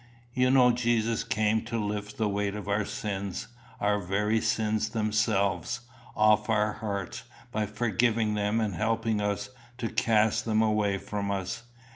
You know Jesus came to lift the weight of our sins, our very sins themselves, off our hearts, by forgiving them and helping us to cast them away from us.